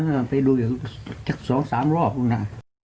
เออไปดูอย่าง๒๓รอบนะ